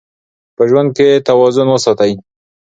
په ژوند کې توازن وساتئ.